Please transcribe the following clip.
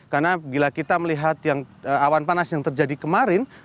karena bila kita melihat yang awan panas yang terjadi kemarin